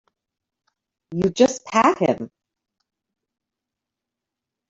You just pat him.